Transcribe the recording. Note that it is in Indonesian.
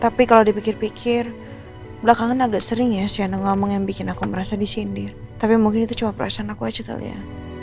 tapi kalau dipikir pikir belakangan agak sering ya shane ngomong yang bikin aku merasa disindir tapi mungkin itu cuma perasaan aku aja kali ya